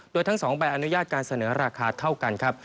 โดยทั้ง๒ใบอนุญาตการเสนอราคาเท่ากันครับ